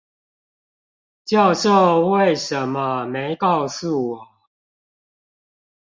教授為什麼沒告訴我